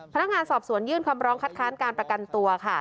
พนักงานสอบสวนยื่นคำร้องคัดค้านการประกันตัวค่ะ